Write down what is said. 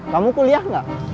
kamu kuliah gak